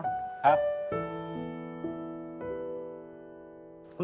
ครับ